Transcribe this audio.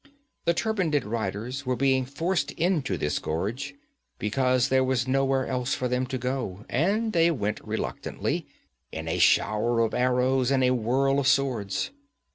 The turbaned riders were being forced into this gorge, because there was nowhere else for them to go, and they went reluctantly, in a shower of arrows and a whirl of swords.